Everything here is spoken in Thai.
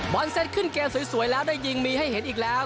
เซ็ตขึ้นเกมสวยแล้วได้ยิงมีให้เห็นอีกแล้ว